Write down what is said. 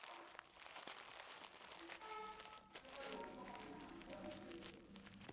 江国的青铜器如下。